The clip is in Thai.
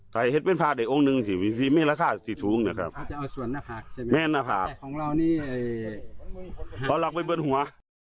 ใส่เห็ดเป็นผ้าเด็กองค์นึงสิมีไม่ราคาสิทธิ์สูงนะครับจะเอาส่วนหน้าผากใช่ไหมแม่หน้าผากของเรานี่เอาหลักเป็นบนหัว